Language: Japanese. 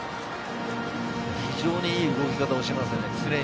非常にいい動き方をしていますね。